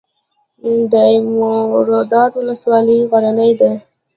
دایمیرداد ولسوالۍ غرنۍ ده؟